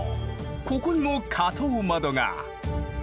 ここにも花頭窓が。